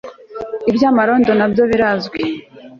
Iby amarondo nabyo birazwi